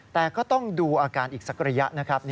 แต่ก็ต้องดูอาการอีกสักระยะนะครับ